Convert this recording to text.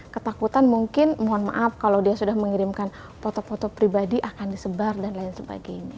ketakutan mungkin mohon maaf kalau dia sudah mengirimkan foto foto pribadi akan disebar dan lain sebagainya